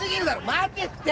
待てって！